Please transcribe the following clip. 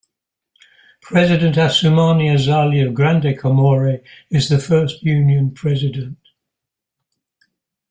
President Assoumani Azali of Grande Comore is the first Union president.